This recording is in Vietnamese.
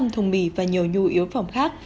bốn trăm linh thùng mì và nhiều nhu yếu phòng khác